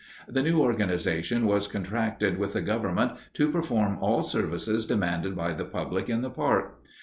The new organization has contracted with the government to perform all services demanded by the public in the park.